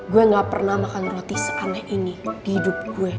gue gak pernah makan roti seaneh ini di hidup gue